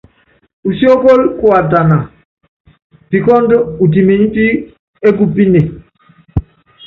Usiókóló kuátana pikɔ́ndɔ́, utumenyi pí ékupíne.